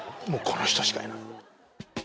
もうこの人しかいない。